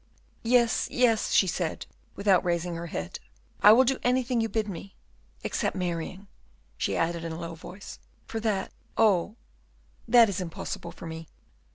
"Yes, yes," she said, without raising her head, "I will do anything you bid me, except marrying," she added, in a low voice, "for that, oh! that is impossible for me."